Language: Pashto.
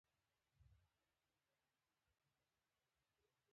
له دې څخه وروسته د غزنویانو حکومت کاله دوام وکړ.